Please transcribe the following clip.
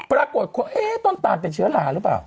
ปรากฏคนต้นตาลเป็นเชื้อลาหรือเปล่า